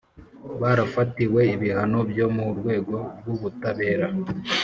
barafatiwe ibihano byo mu rwego rw’ubutabera